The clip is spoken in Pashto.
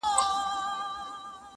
دا به چيري خيرن سي.